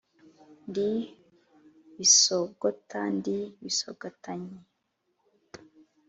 ndi bisogota ndi bisogotanyi,